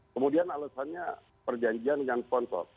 kemudian alasannya perjanjian dengan sponsor